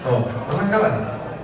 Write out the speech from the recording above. oh menang kalah